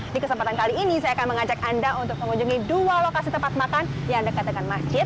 di kesempatan kali ini saya akan mengajak anda untuk mengunjungi dua lokasi tempat makan yang dekat dengan masjid